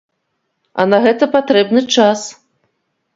А на гэта патрэбны час.